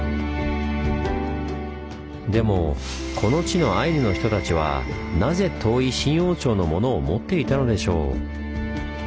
でもこの地のアイヌの人たちはなぜ遠い清王朝の物を持っていたのでしょう？